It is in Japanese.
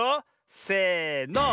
せの。